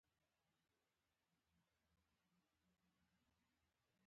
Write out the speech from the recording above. داسې انګېرل کېږي چې دلته نبطي قوم دوه سوه کاله حکومت کړی.